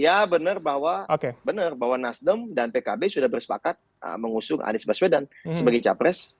ya benar bahwa nasdom dan pkb sudah bersepakat mengusung anies baswedan sebagai capres